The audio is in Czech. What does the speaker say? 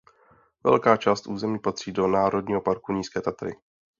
Velká část území patří do národního parku Nízké Tatry.